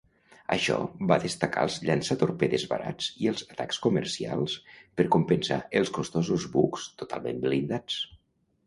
Això va destacar els llançatorpedes barats i els atacs comercials per compensar els costosos bucs totalment blindats.